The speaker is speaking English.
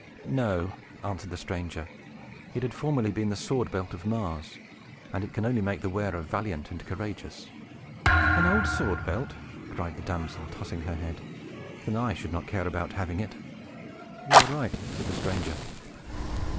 "No," answered the stranger. "It had formerly been the sword belt of Mars; and it can only make the wearer valiant and courageous." "An old sword belt!" cried the damsel, tossing her head. "Then I should not care about having it!" "You are right," said the stranger.